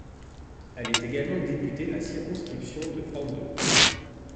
Elle est également députée de la circonscription de Kpando.